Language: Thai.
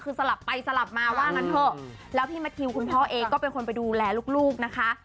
คือสลับไปสลับมาว่างั้นเถอะแล้วพี่แมททิวคุณพ่อเองก็เป็นคนไปดูแลลูกนะคะ